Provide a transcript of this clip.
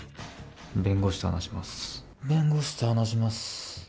弁護士と話します。